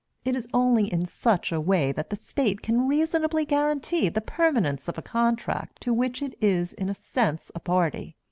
It is only in such a way that the state can reasonably guarantee the permanence of a contract to which it is in a sense a party.